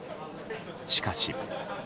しかし。